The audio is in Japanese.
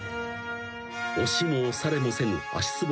［押しも押されもせぬ足つぼ